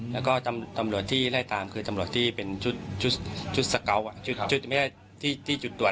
แล้วก็ตำรวจที่ไล่ตามคือตำรวจที่เป็นจุดจุดจุดไม่ใช่ที่จุดตรวจ